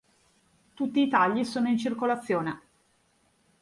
Tutti i tagli sono in circolazione.